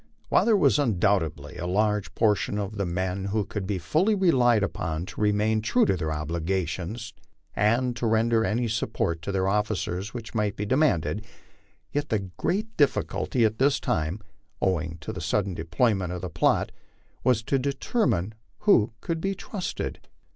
While there was undoubtedly a large proportion of the men who could be fully relied upon to remain true to their obligations and to ren der any support to their officers which might be demanded, yet the great diffi culty at this time, owing to the sudden development of the plot, was to deter mine who could be trusted.